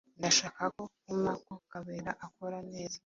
Ndashaka ko umea ko Kabera akora neza.